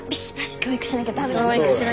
教育しなきゃ駄目かな。